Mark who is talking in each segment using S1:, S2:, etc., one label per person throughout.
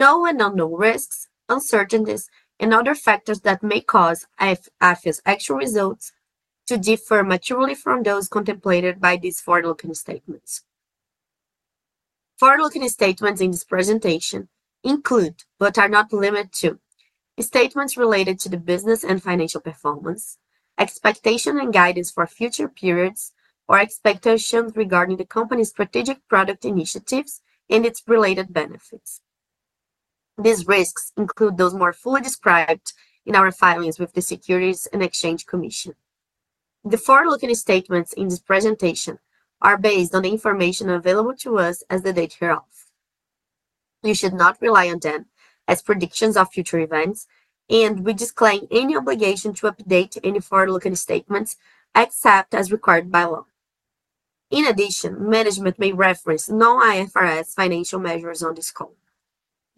S1: Known and unknown risks, uncertainties, and other factors that may cause Afya's actual results to differ materially from those contemplated by these forward-looking statements. Forward-looking statements in this presentation include, but are not limited to, statements related to the business and financial performance, expectation and guidance for future periods, or expectations regarding the company's strategic product initiatives and its related benefits. These risks include those more fully described in our filings with the Securities and Exchange Commission. The forward-looking statements in this presentation are based on the information available to us as of the date hereof. You should not rely on them as predictions of future events, and we disclaim any obligation to update any forward-looking statements, except as required by law. In addition, management may reference non-IFRS financial measures on this call.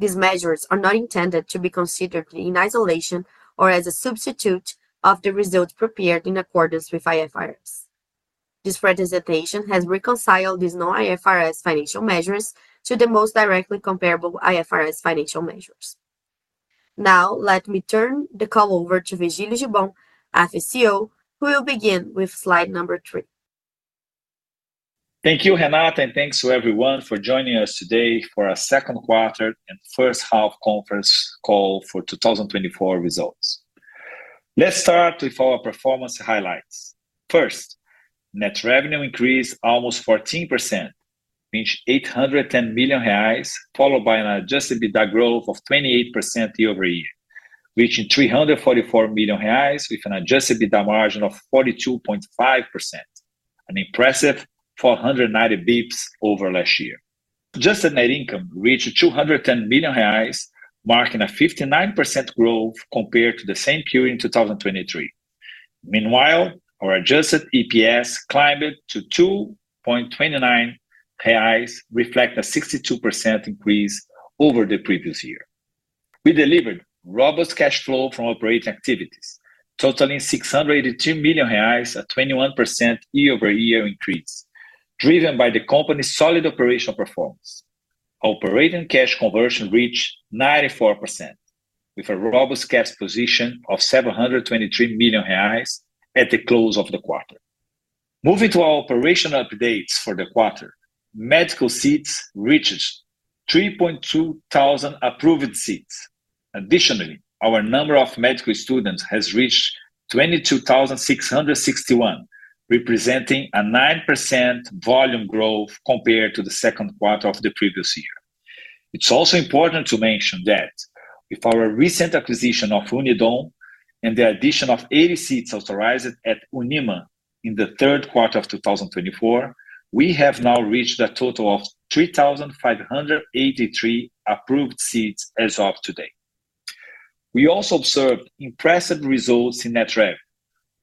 S1: These measures are not intended to be considered in isolation or as a substitute of the results prepared in accordance with IFRS. This presentation has reconciled these non-IFRS financial measures to the most directly comparable IFRS financial measures. Now, let me turn the call over to Virgilio Gibbon, Afya CEO, who will begin with slide number three.
S2: Thank you, Renata, and thanks to everyone for joining us today for our second quarter and first half conference call for 2024 results. Let's start with our performance highlights. First, net revenue increased almost 14%, reached 810 million reais, followed by an adjusted EBITDA growth of 28% year-over-year, reaching 344 million reais, with an adjusted EBITDA margin of 42.5%, an impressive 490 bps over last year. Adjusted net income reached 210 million reais, marking a 59% growth compared to the same period in 2023. Meanwhile, our adjusted EPS climbed to 2.29, reflect a 62% increase over the previous year. We delivered robust cash flow from operating activities, totaling 682 million reais, a 21% year-over-year increase, driven by the company's solid operational performance. Operating cash conversion reached 94%, with a robust cash position of 723 million reais at the close of the quarter. Moving to our operational updates for the quarter, medical seats reached 3,200 approved seats. Additionally, our number of medical students has reached 22,661, representing a 9% volume growth compared to the second quarter of the previous year. It's also important to mention that with our recent acquisition of Unidom and the addition of 80 seats authorized at UNIMA in the third quarter of 2024, we have now reached a total of 3,583 approved seats as of today. We also observed impressive results in net revenue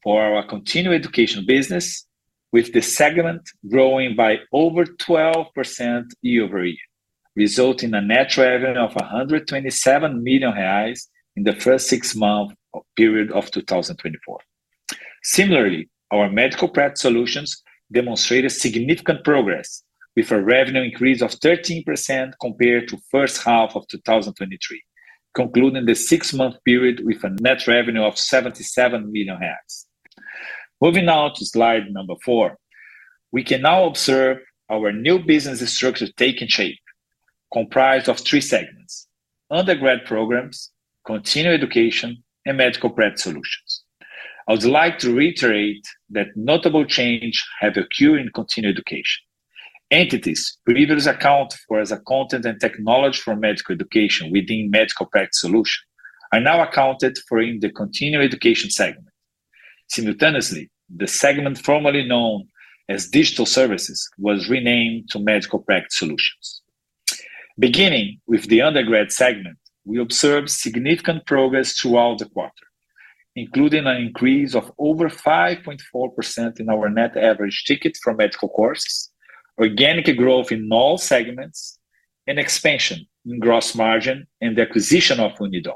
S2: for our continuing education business, with the segment growing by over 12% year-over-year, resulting in a net revenue of 127 million reais in the first six-month period of 2024. Similarly, our medical practice solutions demonstrated significant progress, with a revenue increase of 13% compared to first half of 2023, concluding the six-month period with a net revenue of 77 million. Moving now to slide number four, we can now observe our new business structure taking shape, comprised of three segments: undergrad programs, continuing education, and medical practice solutions. I would like to reiterate that notable changes have occurred in continuing education. Entities previously accounted for as a content and technology for medical education within medical practice solutions are now accounted for in the continuing education segment. Simultaneously, the segment formerly known as digital services was renamed to medical practice solutions. Beginning with the undergrad segment, we observed significant progress throughout the quarter, including an increase of over 5.4% in our net average ticket for medical courses, organic growth in all segments, an expansion in gross margin, and the acquisition of Unidom.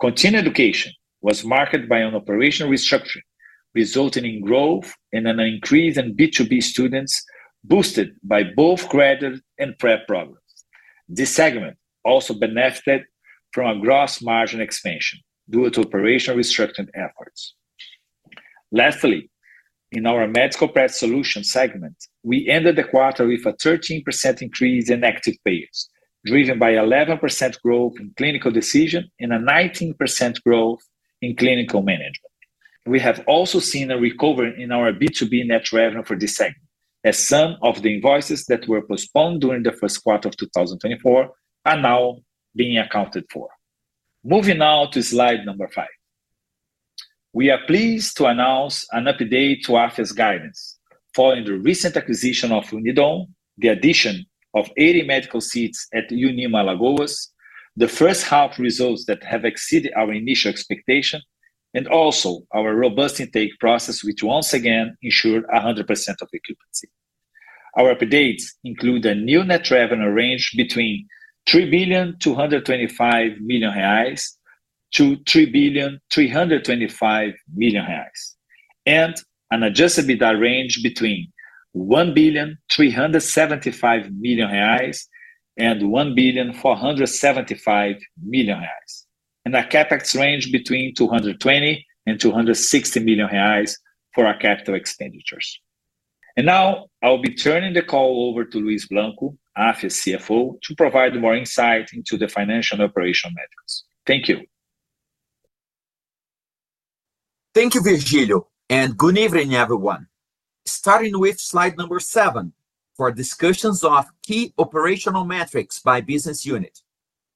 S2: Continuing education was marked by an operational restructuring, resulting in growth and an increase in B2B students, boosted by both graduate and prep programs. This segment also benefited from a gross margin expansion due to operational restructuring efforts. Lastly, in our medical practice solutions segment, we ended the quarter with a 13% increase in active payers, driven by 11% growth in Clinical Decision and a 19% growth in Clinical Management. We have also seen a recovery in our B2B net revenue for this segment, as some of the invoices that were postponed during the first quarter of 2024 are now being accounted for. Moving now to slide five. We are pleased to announce an update to Afya's guidance, following the recent acquisition of Unidom, the addition of 80 medical seats at UNIMA Alagoas, the first half results that have exceeded our initial expectation, and also our robust intake process, which once again ensured 100% of occupancy. Our updates include a new net revenue range between 3.225 billion-3.325 billion reais. And an Adjusted EBITDA range between 1.375 billion-1.475 billion reais. Our CapEx ranges between 200 million and 260 million reais for our capital expenditures. Now I'll be turning the call over to Luis Blanco, Afya's CFO, to provide more insight into the financial and operational metrics. Thank you.
S3: Thank you, Virgilio, and good evening, everyone. Starting with slide number seven, for discussions of key operational metrics by business unit.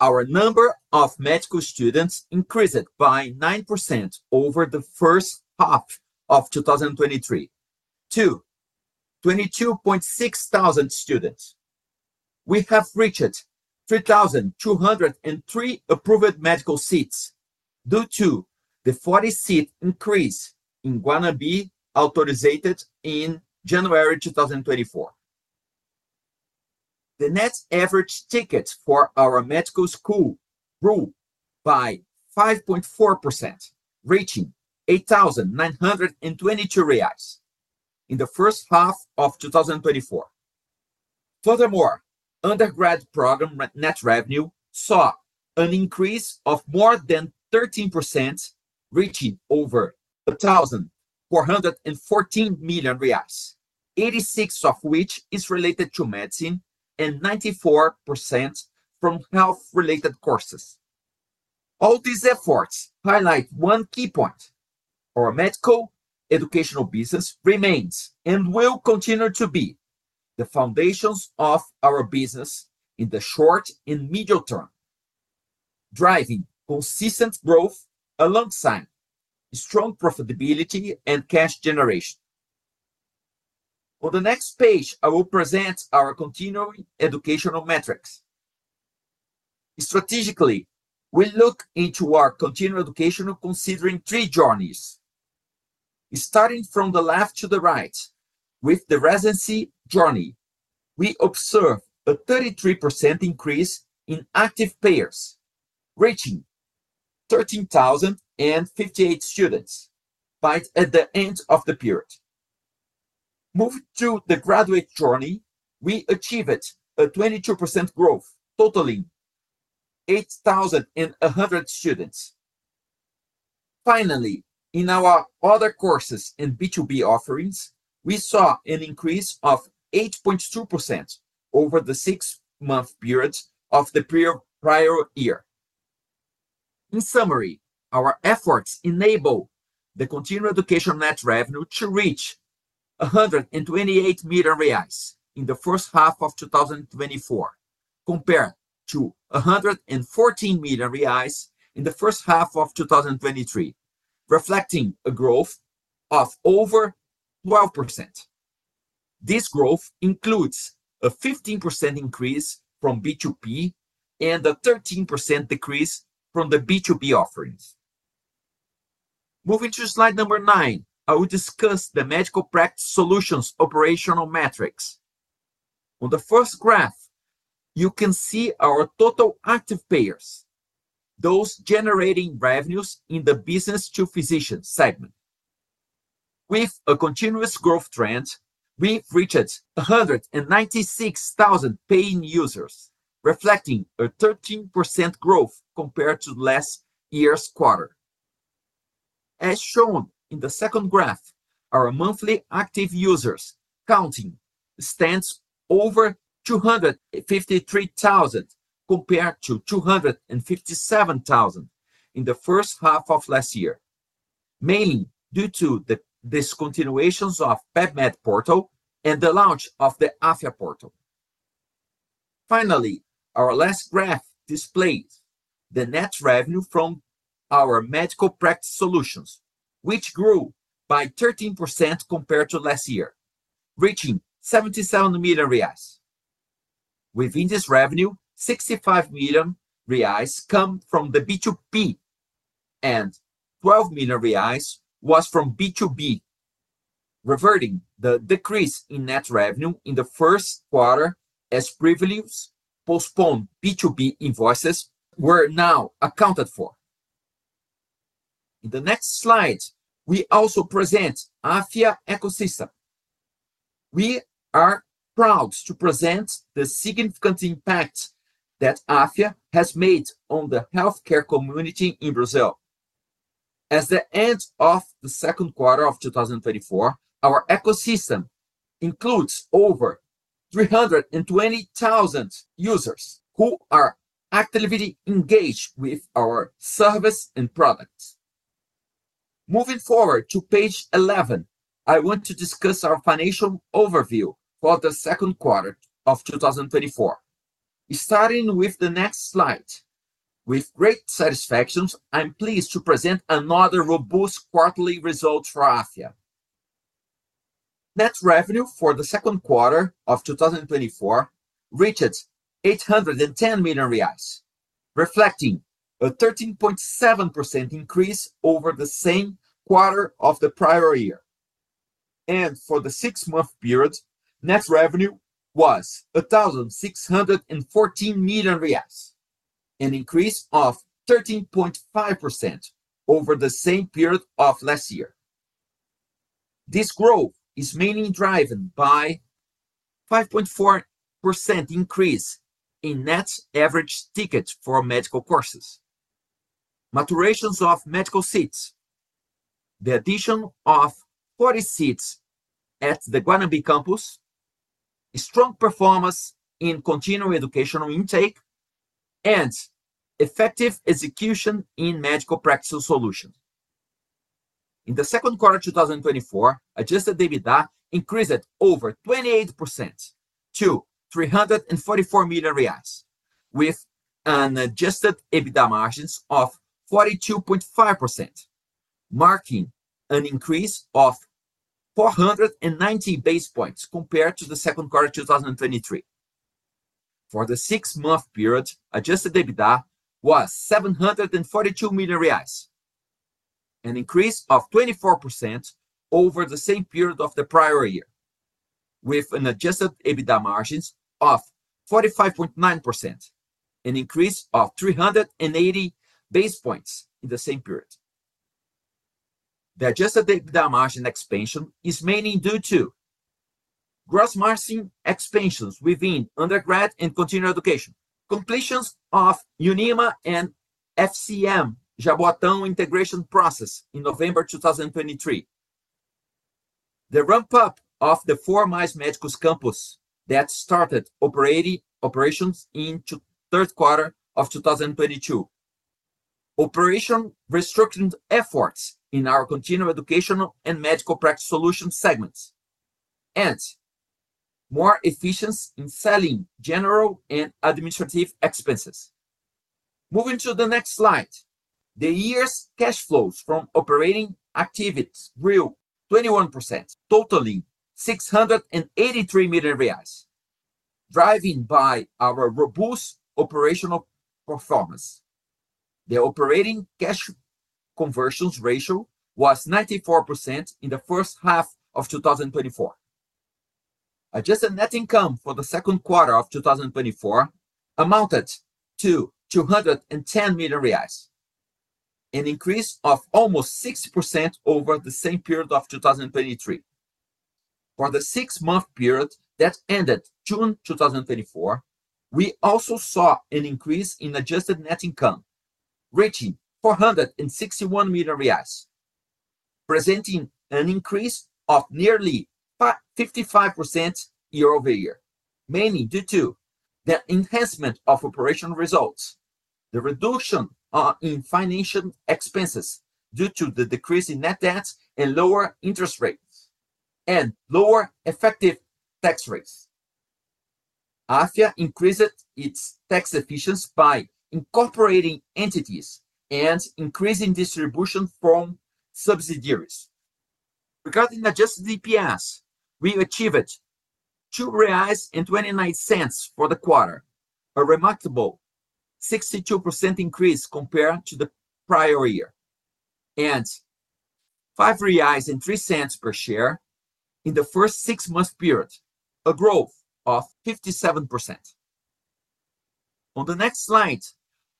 S3: Our number of medical students increased by 9% over the first half of 2023 to 22,600 students. We have reached 3,203 approved medical seats, due to the 40-seat increase in Guanambi, authorized in January 2024. The net average ticket for our medical school grew by 5.4%, reaching 8,922 reais in the first half of 2024. Furthermore, undergrad program net revenue saw an increase of more than 13%, reaching over 1,414 million reais, 86% of which is related to medicine and 94% from health-related courses. All these efforts highlight one key point: our medical education business remains, and will continue to be, the foundation of our business in the short and medium term, driving consistent growth alongside strong profitability and cash generation. On the next page, I will present our continuing education metrics. Strategically, we look into our continuing education considering three journeys. Starting from the left to the right, with the residency journey, we observe a 33% increase in active payers, reaching 13,058 students by the end of the period. Moving to the graduate journey, we achieved a 22% growth, totaling 8,100 students. Finally, in our other courses and B2B offerings, we saw an increase of 8.2% over the six-month period of the prior year. In summary, our efforts enable the continuing education net revenue to reach 128 million reais in the first half of 2024, compared to 114 million reais in the first half of 2023, reflecting a growth of over 12%. This growth includes a 15% increase from B2P and a 13% decrease from the B2B offerings. Moving to slide number nine, I will discuss the medical practice solutions operational metrics. On the first graph, you can see our total active payers, those generating revenues in the business to physician segment. With a continuous growth trend, we've reached 196,000 paying users, reflecting a 13% growth compared to last year's quarter. As shown in the second graph, our monthly active users counting stands over 253,000, compared to 257,000 in the first half of last year, mainly due to the discontinuations of PEBMED portal and the launch of the Afya portal. Finally, our last graph displays the net revenue from our medical practice solutions, which grew by 13% compared to last year, reaching 77 million reais. Within this revenue, 65 million reais come from the B2P and 12 million reais was from B2B, reverting the decrease in net revenue in the first quarter, as previously postponed B2B invoices were now accounted for. In the next slide, we also present Afya ecosystem. We are proud to present the significant impact that Afya has made on the healthcare community in Brazil. As of the end of the second quarter of 2024, our ecosystem includes over 320,000 users who are actively engaged with our service and products. Moving forward to page 11, I want to discuss our financial overview for the second quarter of 2024. Starting with the next slide, with great satisfaction, I'm pleased to present another robust quarterly result for Afya. Net revenue for the second quarter of 2024 reached 810 million reais, reflecting a 13.7% increase over the same quarter of the prior year. And for the six-month period, net revenue was 1,614 million reais, an increase of 13.5% over the same period of last year. This growth is mainly driven by 5.4% increase in net average ticket for medical courses, maturations of medical seats, the addition of 40 seats at the Guanambi campus, a strong performance in continuing education intake, and effective execution in medical practice solution. In the second quarter of 2024, adjusted EBITDA increased over 28% to 344 million reais, with an adjusted EBITDA margins of 42.5%, marking an increase of 490 basis points compared to the second quarter of 2023. For the six-month period, adjusted EBITDA was 742 million reais, an increase of 24% over the same period of the prior year, with an adjusted EBITDA margins of 45.9%, an increase of 380 basis points in the same period. The adjusted EBITDA margin expansion is mainly due to gross margin expansions within undergrad and continuing education, completions of UNIMA and FCM Jaboatão integration process in November 2023. The ramp-up of the four Mais Médicos campus that started operations into third quarter of 2022. Operational restructuring efforts in our continuing education and medical practice solution segments, and more efficiency in selling general and administrative expenses. Moving to the next slide, the year's cash flows from operating activities grew 21%, totaling 683 million reais, driven by our robust operational performance. The operating cash conversion ratio was 94% in the first half of 2024. Adjusted net income for the second quarter of 2024 amounted to 210 million reais, an increase of almost 60% over the same period of 2023. For the six-month period that ended June 2024, we also saw an increase in adjusted net income, reaching 461 million reais, presenting an increase of nearly 55% year-over-year, mainly due to the enhancement of operational results, the reduction in financial expenses due to the decrease in net debt and lower interest rates and lower effective tax rates. Afya increased its tax efficiency by incorporating entities and increasing distribution from subsidiaries. Regarding adjusted EPS, we achieved 2.29 reais for the quarter, a remarkable 62% increase compared to the prior year, and 5.03 reais per share in the first six-month period, a growth of 57%. On the next slide,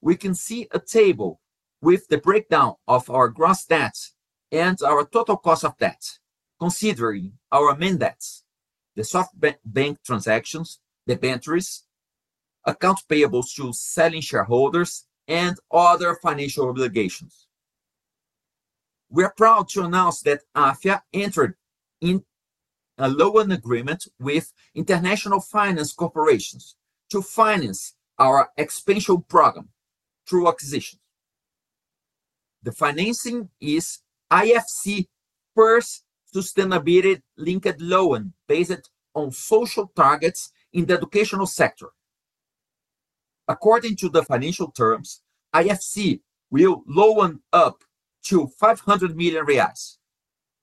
S3: we can see a table with the breakdown of our gross debt and our total cost of debt, considering our main debts, the SoftBank, bank transactions, debentures, accounts payables to selling shareholders, and other financial obligations. We are proud to announce that Afya entered in a loan agreement with International Finance Corporation to finance our expansion program through acquisitions. The financing is IFC's first sustainability-linked loan based on social targets in the educational sector. According to the financial terms, IFC will loan up to 500 million reais,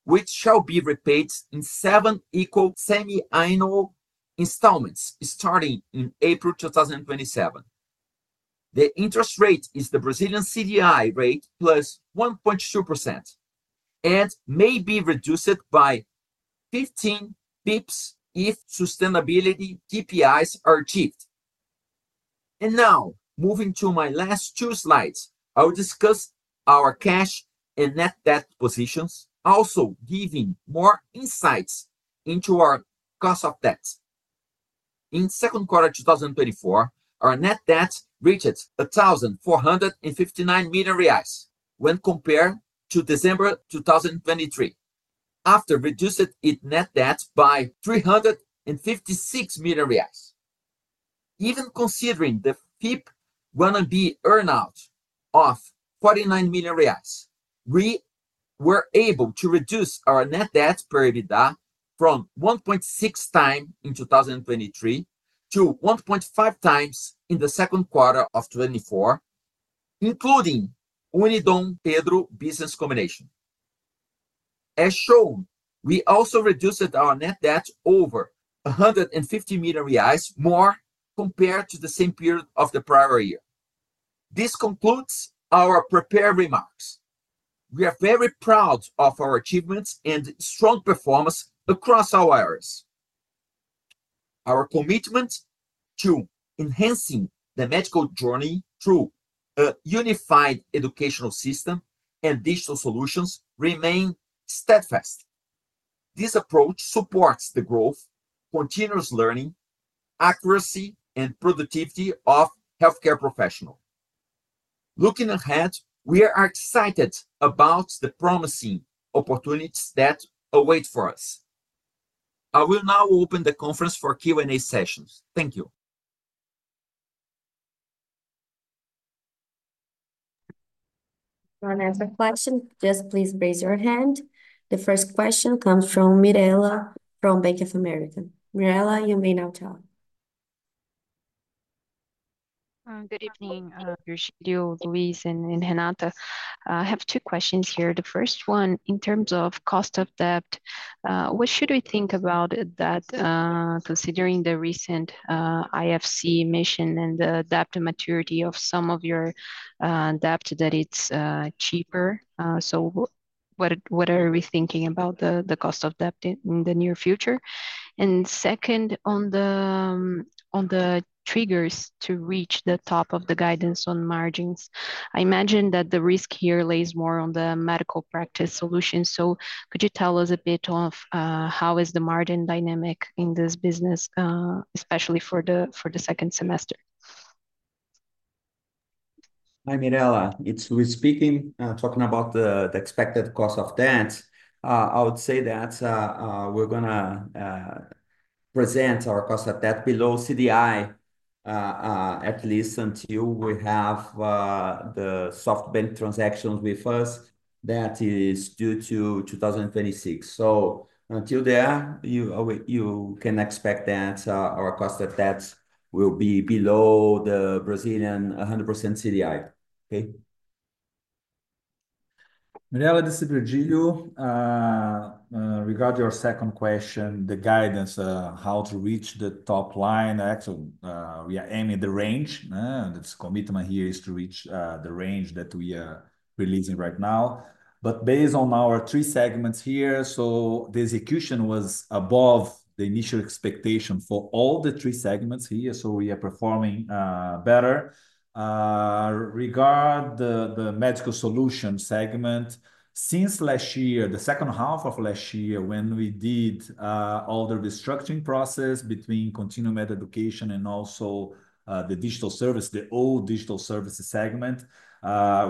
S3: which shall be repaid in seven equal semiannual installments, starting in April 2027. The interest rate is the Brazilian CDI rate plus 1.2% and may be reduced by 15 basis points if sustainability KPIs are achieved. Now, moving to my last two slides, I will discuss our cash and net debt positions, also giving more insights into our cost of debt. In second quarter 2024, our net debt reached 1,459 million reais when compared to December 2023, after reduced its net debt by 356 million. Even considering the FIP Guanambi earn-out of 49 million reais, we were able to reduce our net debt per EBITDA from 1.6x in 2023 to 1.5x in the second quarter of 2024, including Unidompedro business combination. As shown, we also reduced our net debt over 150 million reais more compared to the same period of the prior year. This concludes our prepared remarks. We are very proud of our achievements and strong performance across all areas. Our commitment to enhancing the medical journey through a unified educational system and digital solutions remain steadfast. This approach supports the growth, continuous learning, accuracy, and productivity of healthcare professional. Looking ahead, we are excited about the promising opportunities that await for us. I will now open the conference for Q&A sessions. Thank you.
S1: If you want to ask a question, just please raise your hand. The first question comes from Mirela, from Bank of America. Mirela, you may now talk.
S4: Good evening, Virgilio, Luis, and Renata. I have two questions here. The first one, in terms of cost of debt, what should we think about that, considering the recent IFC mission and the debt maturity of some of your debt that it's cheaper? So what are we thinking about the cost of debt in the near future? And second, on the triggers to reach the top of the guidance on margins. I imagine that the risk here lays more on the medical practice solution, so could you tell us a bit of how is the margin dynamic in this business, especially for the second semester?
S3: Hi, Mirela, it's Luis speaking. Talking about the expected cost of debts, I would say that we're gonna present our cost of debt below CDI, at least until we have the SoftBank transactions with us. That is due to 2026. So until then, you can expect that our cost of debts will be below the Brazilian 100% CDI. Okay?
S2: Mirela, this is Virgilio. Regarding your second question, the guidance, how to reach the top line, actually, we are aiming the range. The commitment here is to reach the range that we are releasing right now. But based on our three segments here, so the execution was above the initial expectation for all the three segments here, so we are performing better. Regarding the medical solutions segment, since last year, the second half of last year when we did all the restructuring process between continuing medical education and also the digital services, the old digital services segment,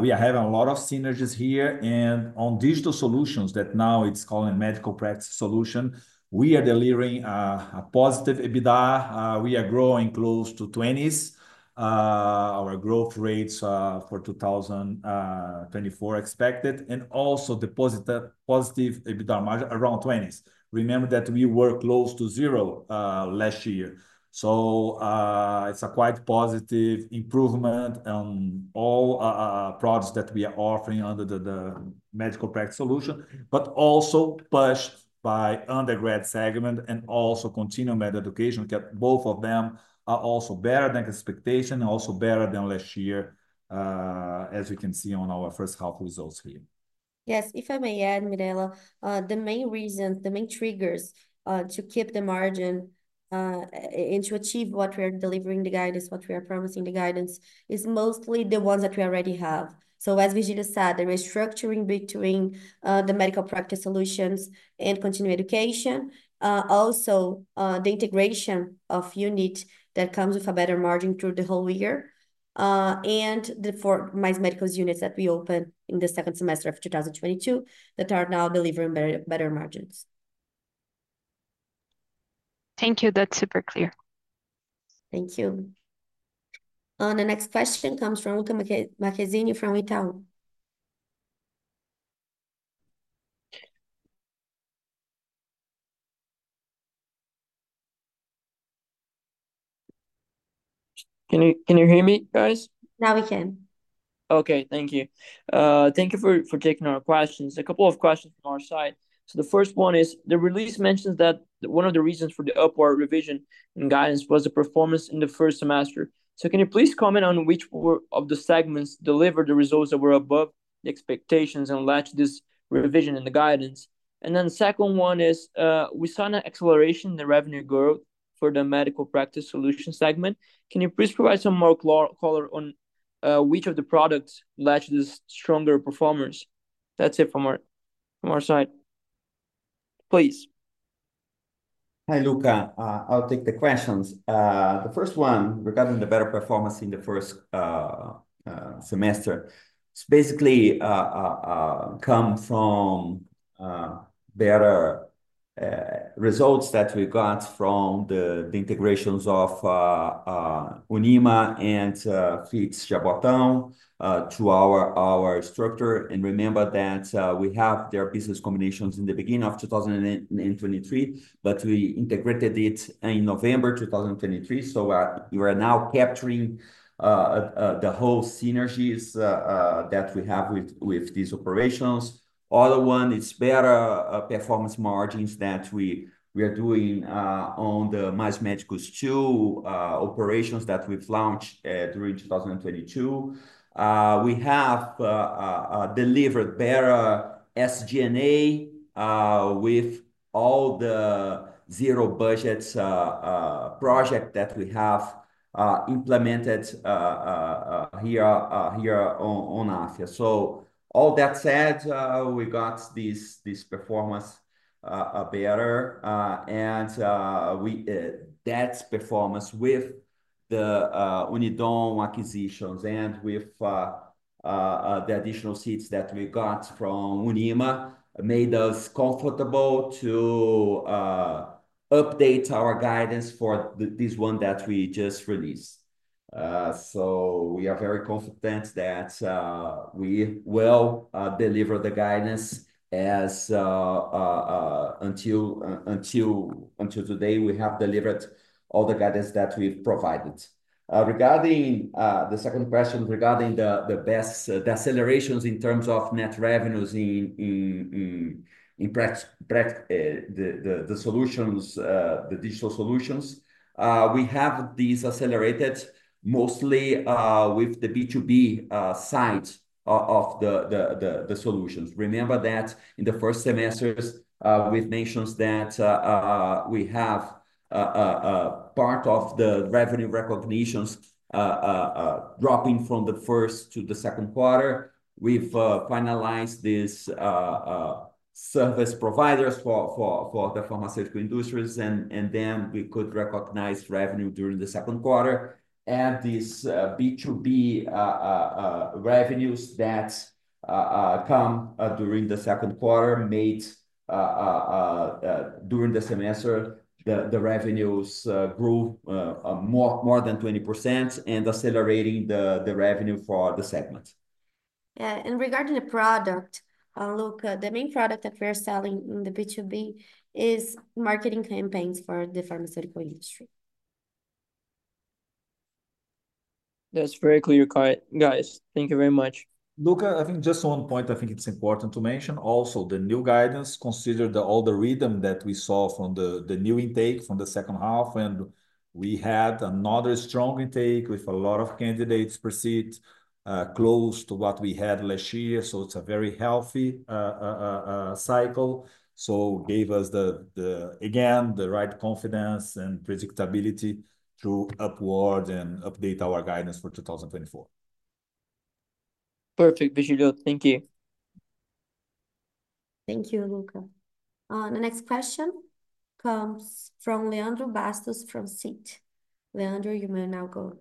S2: we are having a lot of synergies here. And on digital solutions, that now it's called medical practice solutions, we are delivering a positive EBITDA. We are growing close to 20%. Our growth rates for 2024 expected, and also the positive, positive EBITDA margin around 20s. Remember that we were close to zero last year. So, it's a quite positive improvement on all our products that we are offering under the medical practice solution, but also pushed by undergrad segment and also continuing medical education. Both of them are also better than expectation, and also better than last year, as we can see on our first half results here.
S1: Yes, if I may add, Mirela, the main reason, the main triggers, to keep the margin, and to achieve what we are delivering the guidance, what we are promising the guidance, is mostly the ones that we already have. So, as Virgilio said, the restructuring between, the medical practice solutions and continuing education, also, the integration of unit that comes with a better margin through the whole year, and the four Mais Médicos units that we opened in the second semester of 2022, that are now delivering better, better margins.
S4: Thank you. That's super clear.
S1: Thank you. The next question comes from Lucca Marquezini from Itaú.
S5: Can you, can you hear me, guys?
S1: Now we can.
S5: Okay. Thank you. Thank you for taking our questions. A couple of questions from our side. So the first one is, the release mentions that one of the reasons for the upward revision and guidance was the performance in the first semester. So can you please comment on which of the segments delivered the results that were above the expectations and led to this revision in the guidance? And then the second one is, we saw an acceleration in the revenue growth for the medical practice solution segment. Can you please provide some more color on, which of the products led to this stronger performance? That's it from our side. Please.
S3: Hi, Lucca. I'll take the questions. The first one, regarding the better performance in the first semester, it's basically come from better results that we got from the integrations of UNIMA and FCM Jaboatão to our structure. And remember that we have their business combinations in the beginning of 2023, but we integrated it in November 2023. So, we are now capturing the whole synergies that we have with these operations. Other one is better performance margins that we are doing on the Mais Médicos two operations that we've launched during 2022. We have delivered better SG&A with all the zero budgets project that we have implemented here on Afya. So all that said, we got this performance better, and that performance with the Unidom acquisitions and with the additional seats that we got from UNIMA made us comfortable to update our guidance for this one that we just released. So we are very confident that we will deliver the guidance as until today we have delivered all the guidance that we've provided. Regarding the second question, regarding the accelerations in terms of net revenues in the solutions, the digital solutions, we have these accelerated mostly with the B2B side of the solutions. Remember that in the first semesters with acquisitions that we have part of the revenue recognitions dropping from the first to the second quarter, we've finalized these service providers for the pharmaceutical industries, and then we could recognize revenue during the second quarter. And these B2B revenues that come during the second quarter made during the semester the revenues grow more than 20% and accelerating the revenue for the segment.
S1: Regarding the product, look, the main product that we're selling in the B2B is marketing campaigns for the pharmaceutical industry.
S5: That's very clear, guys. Thank you very much.
S2: Lucca, I think just one point. I think it's important to mention also, the new guidance consider the all the rhythm that we saw from the new intake from the second half, and we had another strong intake with a lot of candidates proceed close to what we had last year. So it's a very healthy cycle, so gave us the again the right confidence and predictability to upward and update our guidance for 2024.
S5: Perfect, Virgilio. Thank you.
S1: Thank you, Luca. The next question comes from Leandro Bastos, from Citi. Leandro, you may now go on.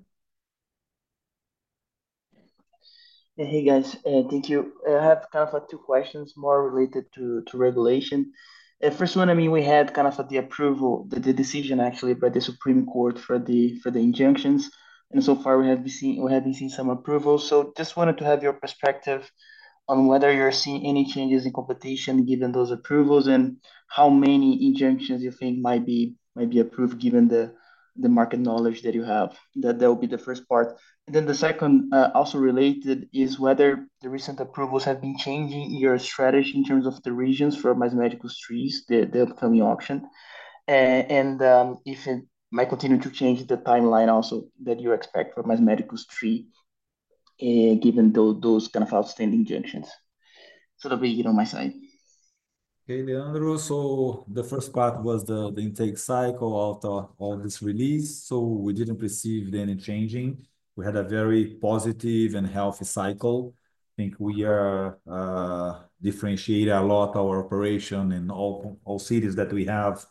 S6: Hey, guys, thank you. I have kind of two questions more related to regulation. First one, I mean, we had kind of the approval, the decision actually by the Supreme Court for the injunctions, and so far we have been seeing, we haven't seen some approvals. So just wanted to have your perspective on whether you're seeing any changes in competition, given those approvals, and how many injunctions you think might be approved, given the market knowledge that you have. That will be the first part. And then the second, also related, is whether the recent approvals have been changing your strategy in terms of the regions for Mais Médicos 3, the upcoming auction, and if it might continue to change the timeline also that you expect for Mais Médicos 3, given those kind of outstanding injunctions? So that'll be it on my side.
S2: Hey, Leandro. So the first part was the intake cycle after all this release, so we didn't receive any changes. We had a very positive and healthy cycle. I think we are differentiate a lot our operation in all cities that we have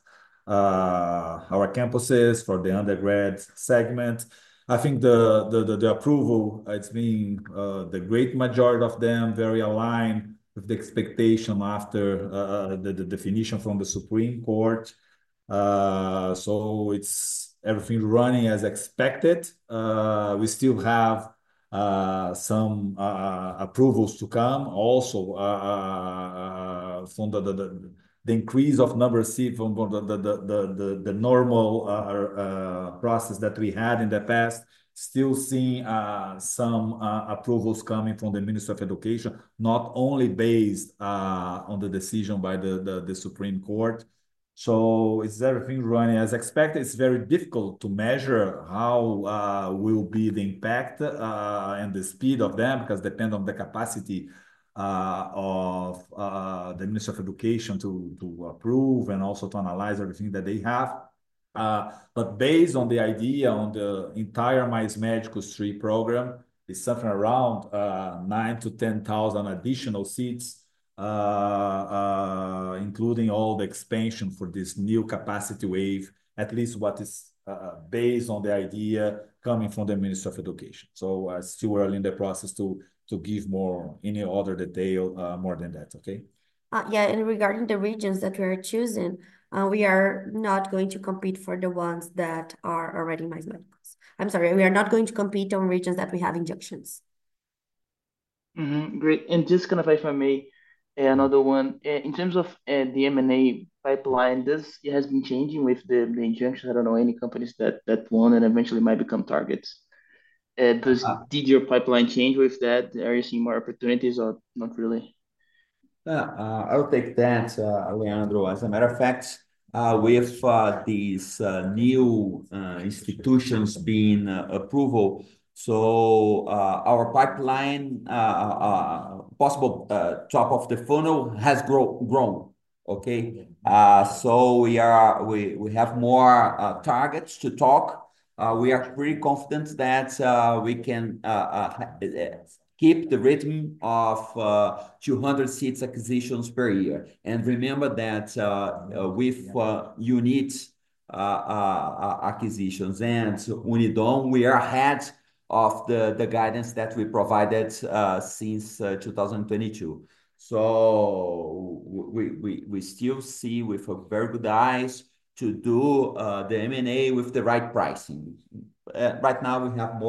S2: our campuses for the undergrad segment. I think the approval, it's been the great majority of them, very aligned with the expectation after the definition from the Supreme Court. So it's everything running as expected. We still have some approvals to come. Also, from the increase of number received from the normal process that we had in the past, still seeing some approvals coming from the Minister of Education, not only based on the decision by the Supreme Court. So it's everything running as expected. It's very difficult to measure how will be the impact and the speed of them, because depend on the capacity of the Minister of Education to approve and also to analyze everything that they have. But based on the idea on the entire Mais Médicos 3 program, it's somewhere around 9-10,000 additional seats, including all the expansion for this new capacity wave, at least what is based on the idea coming from the Ministry of Education. Still, we're in the process to give more, any other detail more than that, okay?
S1: Yeah, regarding the regions that we are choosing, we are not going to compete for the ones that are already Mais Médicos. I'm sorry, we are not going to compete on regions that we have injunctions.
S6: Mm-hmm. Great. And just kind of like for me, another one, in terms of, the M&A pipeline, this has been changing with the, the injunction. I don't know any companies that, that won and eventually might become targets. Does, did your pipeline change with that? Are you seeing more opportunities or not really?
S3: I'll take that, Leandro. As a matter of fact, with these new institutions being approved, so our pipeline possible top of the funnel has grown. Okay, so we have more targets to talk. We are pretty confident that we can keep the rhythm of 200 seats acquisitions per year. And remember that, with UNIT acquisitions and Unidom, we are ahead of the guidance that we provided since 2022. So we still see with a very good eyes to do the M&A with the right pricing. Right now we have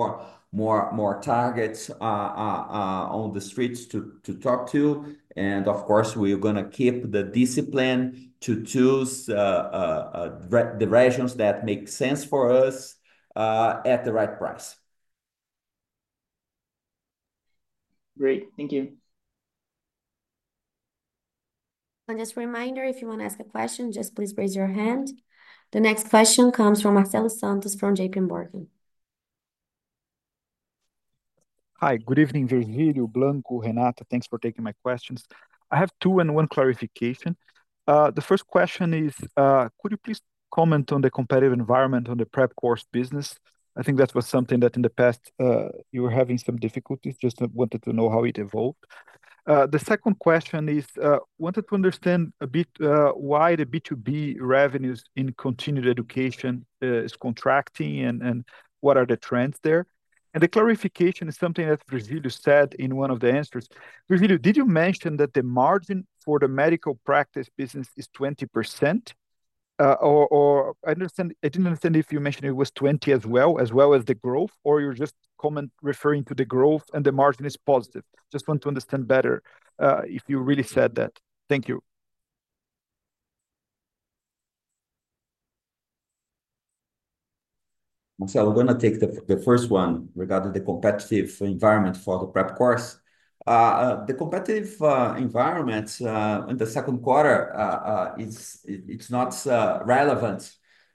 S3: more targets on the streets to talk to, and of course, we're gonna keep the discipline to choose the regions that make sense for us at the right price.
S6: Great. Thank you.
S1: Just a reminder, if you want to ask a question, just please raise your hand. The next question comes from Marcelo Santos from JPMorgan.
S7: Hi, good evening, Virgilio, Blanco, Renata. Thanks for taking my questions. I have two and one clarification. The first question is, could you please comment on the competitive environment on the prep course business? I think that was something that in the past, you were having some difficulties, just wanted to know how it evolved. The second question is, wanted to understand a bit, why the B2B revenues in continued education is contracting, and, and what are the trends there? And the clarification is something that Virgilio said in one of the answers. Virgilio, did you mention that the margin for the medical practice business is 20%? Or, or I understand, I didn't understand if you mentioned it was 20 as well, as well as the growth, or you're just comment- referring to the growth and the margin is positive. Just want to understand better, if you really said that. Thank you.
S2: Marcelo, I'm gonna take the first one regarding the competitive environment for the prep course. The competitive environment in the second quarter it's not relevant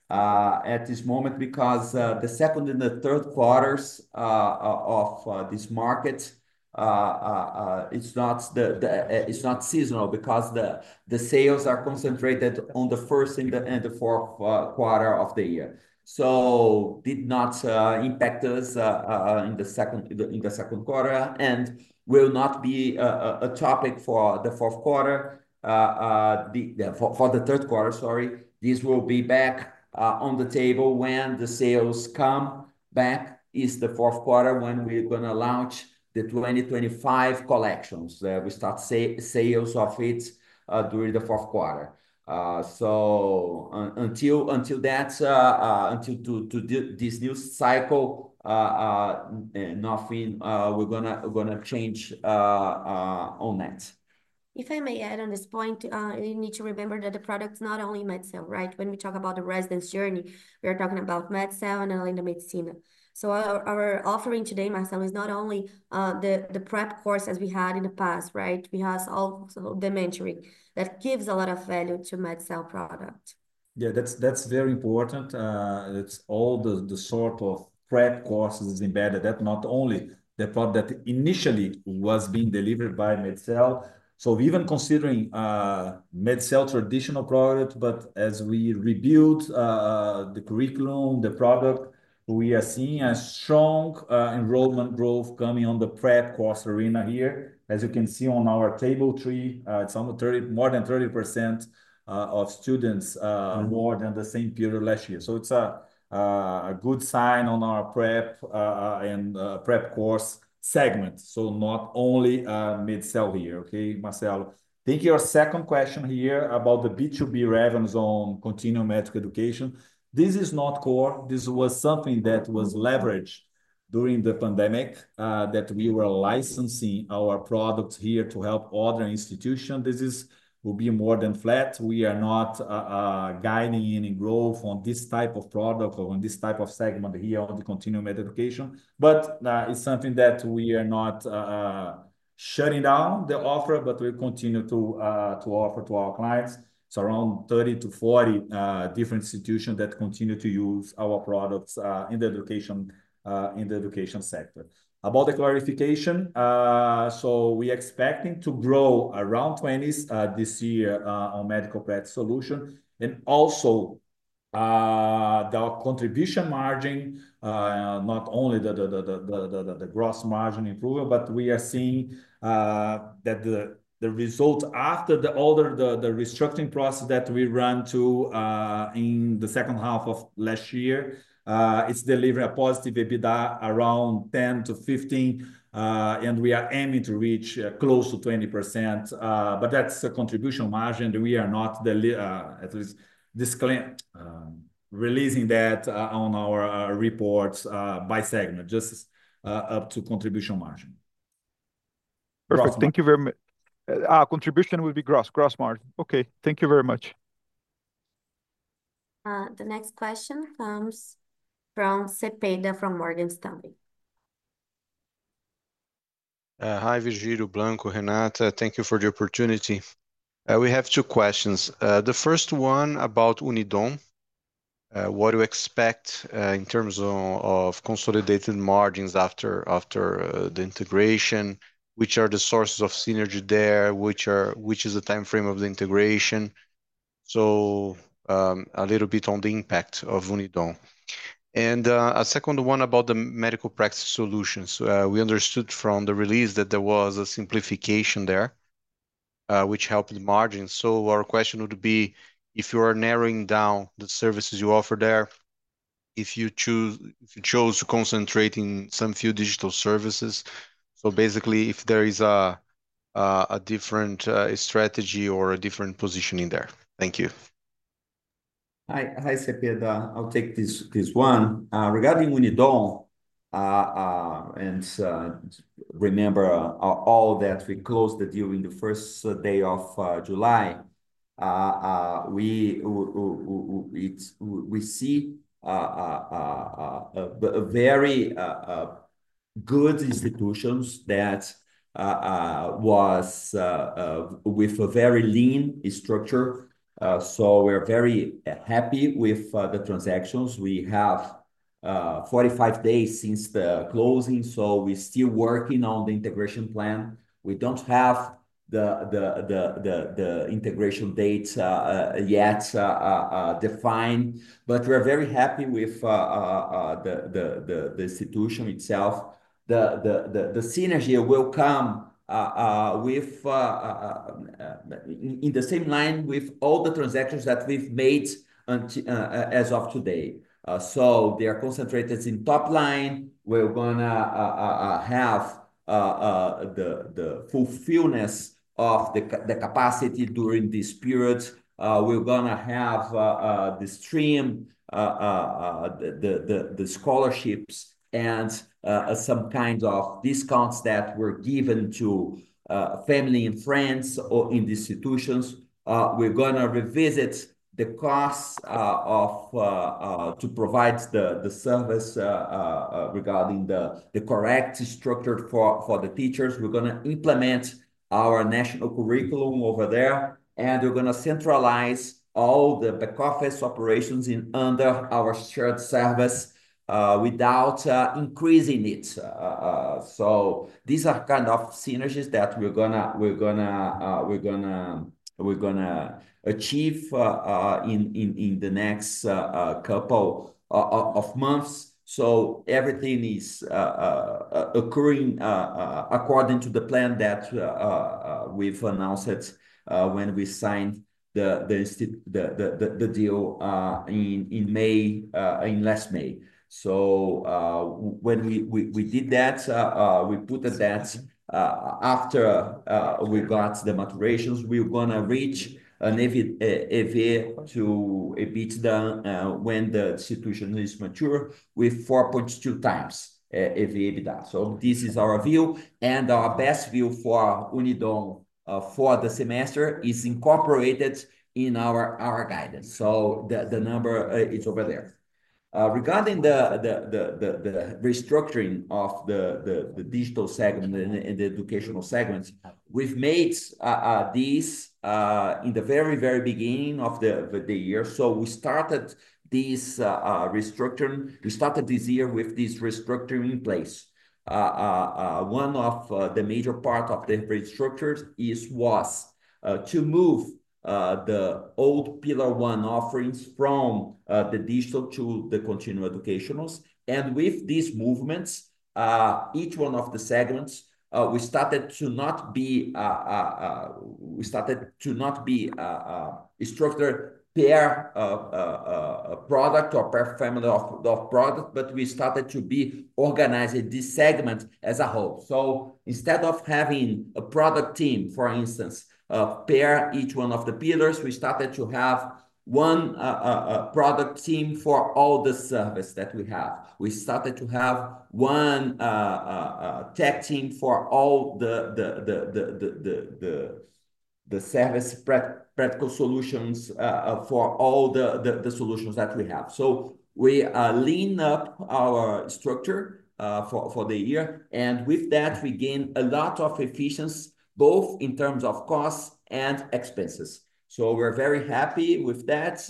S2: at this moment because the second and the third quarters of this market it's not seasonal because the sales are concentrated on the first and the fourth quarter of the year. So did not impact us in the second quarter, and will not be a topic for the fourth quarter for the third quarter, sorry. This will be back on the table when the sales come back, is the fourth quarter, when we're gonna launch the 2025 collections. We start sales of it during the fourth quarter. So until that, until this new cycle, nothing. We're gonna change on that.
S1: If I may add on this point, you need to remember that the product's not only Medcel, right? When we talk about the residency journey, we are talking about Medcel and Além da Medicina. So our, our offering today, Marcelo, is not only the, the prep course as we had in the past, right? We have also the mentoring. That gives a lot of value to Medcel product.
S2: Yeah, that's very important. It's all the sort of prep courses is embedded, that not only the product initially was being delivered by Medcel. So even considering Medcel traditional product, but as we rebuild the curriculum, the product, we are seeing a strong enrollment growth coming on the prep course arena here. As you can see on our Table 3, it's almost 30%-more than 30% of students more than the same period last year. So it's a good sign on our prep and prep course segment. So not only Medcel here. Okay, Marcelo, I think your second question here about the B2B revenues on continuing medical education, this is not core. This was something that was leveraged during the pandemic that we were licensing our products here to help other institutions. This is, will be more than flat. We are not guiding any growth on this type of product or on this type of segment here on the continuing medical education. But, it's something that we are not shutting down the offer, but we continue to offer to our clients. It's around 30-40 different institutions that continue to use our products in the education sector. About the clarification, so we expecting to grow around 20s this year on medical prep solution. And also, the contribution margin, not only the gross margin improvement, but we are seeing that the results after the all the restructuring process that we run to in the second half of last year, it's delivering a positive EBITDA around 10%-15%, and we are aiming to reach close to 20%. But that's a contribution margin that we are not detailing, at least disclaiming, releasing that on our reports by segment, just up to contribution margin.
S7: Perfect. Thank you very much. Contribution will be gross, gross margin. Okay, thank you very much.
S1: The next question comes from Cepeda, from Morgan Stanley.
S8: Hi, Virgilio, Blanco, Renata, thank you for the opportunity. We have two questions. The first one about Unidom. What to expect in terms of consolidated margins after the integration? Which are the sources of synergy there? Which is the timeframe of the integration? So, a little bit on the impact of Unidom. A second one about the medical practice solutions. We understood from the release that there was a simplification there, which helped the margins. So our question would be, if you are narrowing down the services you offer there, if you chose to concentrate in some few digital services, so basically if there is a different strategy or a different positioning there. Thank you.
S3: Hi, hi, Cepeda. I'll take this one. Regarding Unidom, and remember, all that we closed the deal in the first day of July. We see a very good institutions that was with a very lean structure. So we're very happy with the transactions. We have 45 days since the closing, so we're still working on the integration plan. We don't have the integration dates yet defined, but we're very happy with the institution itself. The synergy will come in line with all the transactions that we've made as of today. So they are concentrated in top line. We're gonna have the fullness of the capacity during this period. We're gonna have the streamlining of the scholarships and some kinds of discounts that were given to family and friends or in the institutions. We're gonna revisit the costs to provide the service regarding the correct structure for the teachers. We're gonna implement our national curriculum over there, and we're gonna centralize all the back office operations under our shared service without increasing it. So these are kind of synergies that we're gonna achieve in the next couple of months. So everything is occurring according to the plan that we've announced it when we signed the deal in last May. So when we did that, we put that after we got the maturations, we were gonna reach an EV/EBITDA when the institution is mature with 4.2x EV/EBITDA. So this is our view, and our best view for Unidom for the semester is incorporated in our guidance. So the number it's over there. Regarding the restructuring of the digital segment and the educational segments, we've made these in the very beginning of the year. So we started these restructuring. We started this year with this restructuring in place. One of the major part of the restructures is, was, to move the old pillar one offerings from the digital to the continuing education. And with these movements, each one of the segments, we started to not be structured per product or per family of product, but we started to be organizing this segment as a whole. So instead of having a product team, for instance, pair each one of the pillars, we started to have one product team for all the service that we have. We started to have one tech team for all the service practical solutions, for all the solutions that we have. So we lean up our structure for the year, and with that, we gain a lot of efficiency, both in terms of costs and expenses. So we're very happy with that.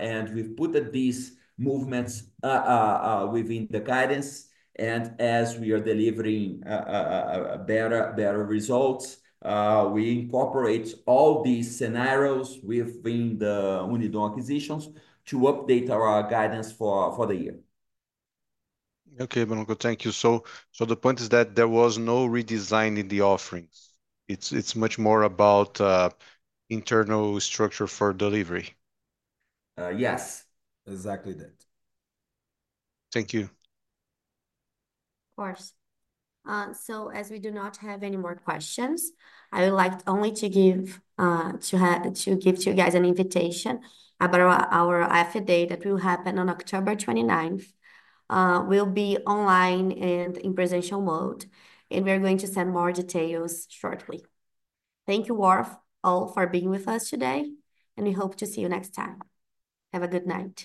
S3: And we've put these movements within the guidance, and as we are delivering better results, we incorporate all these scenarios within the Unidom acquisitions to update our guidance for the year.
S8: Okay, Blanco, thank you. So, so the point is that there was no redesign in the offerings? It's, it's much more about, internal structure for delivery.
S3: Yes, exactly that.
S8: Thank you.
S1: Of course. So as we do not have any more questions, I would like only to give to you guys an invitation about our Afya Day that will happen on October 29th. It will be online and in presential mode, and we're going to send more details shortly. Thank you all for being with us today, and we hope to see you next time. Have a good night.